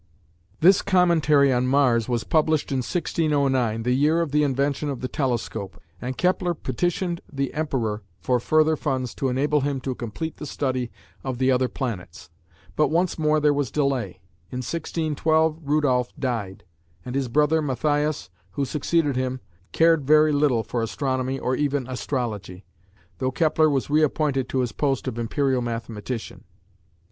This commentary on Mars was published in 1609, the year of the invention of the telescope, and Kepler petitioned the Emperor for further funds to enable him to complete the study of the other planets, but once more there was delay; in 1612 Rudolph died, and his brother Matthias who succeeded him, cared very little for astronomy or even astrology, though Kepler was reappointed to his post of Imperial Mathematician.